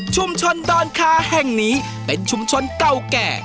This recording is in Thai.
ดอนคาแห่งนี้เป็นชุมชนเก่าแก่